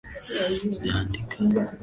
Sijaandika maneno mengi kama haya